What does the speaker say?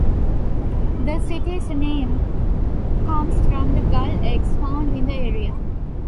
The city's named comes from the gull eggs found in the area.